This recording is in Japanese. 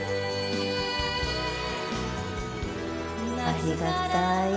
ありがたい。